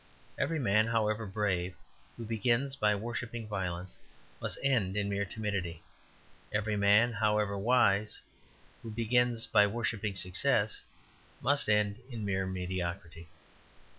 Every man, however brave, who begins by worshipping violence, must end in mere timidity. Every man, however wise, who begins by worshipping success, must end in mere mediocrity.